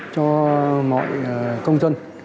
cho mọi công dân